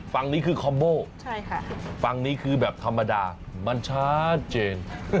ฝั่งนี้คือคอมโบฝั่งนี้คือแบบธรรมดามันชัดเจน